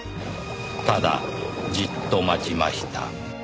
「ただじっと待ちました」